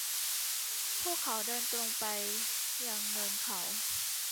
พวกเขาเดินตรงขึ้นไปยังเนินเขา